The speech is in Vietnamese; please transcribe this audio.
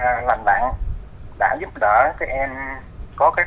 thì cái đó thì những em lành bạn đã giúp đỡ các em có các số vận không ai đến trường cùng nhau